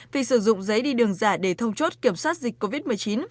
vì sử dụng giấy đi đường giả để thông chốt kiểm soát dịch covid một mươi chín